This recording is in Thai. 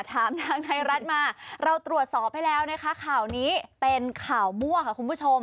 ถามทางไทยรัฐมาเราตรวจสอบให้แล้วนะคะข่าวนี้เป็นข่าวมั่วค่ะคุณผู้ชม